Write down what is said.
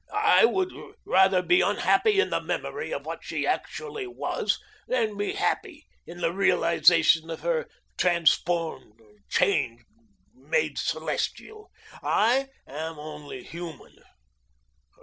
I would rather be unhappy in the memory of what she actually was, than be happy in the realisation of her transformed, changed, made celestial. I am only human.